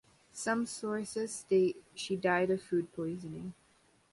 Some sources state she died of food poisoning.